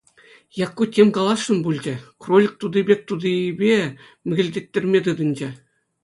Якку тем каласшӑн пулчӗ, кролик тути пек тутипе мӗкӗлтеттерме тытӑнчӗ.